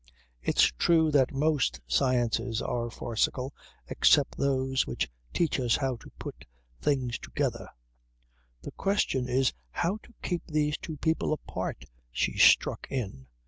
It's true that most sciences are farcical except those which teach us how to put things together." "The question is how to keep these two people apart," she struck in.